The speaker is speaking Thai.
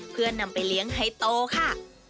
เพื่อนำไปเลี้ยงไฮโตค่ะ